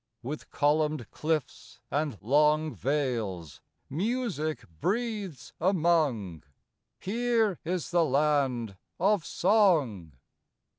With columned cliffs and long Vales, music breathes among, Here is the land of Song.